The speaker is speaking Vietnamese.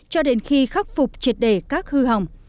cho đến khi khắc phục triệt đề các hư hỏng